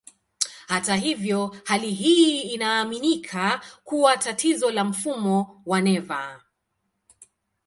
Hata hivyo, hali hii inaaminika kuwa tatizo la mfumo wa neva.